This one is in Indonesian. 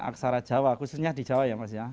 aksara jawa khususnya di jawa ya mas ya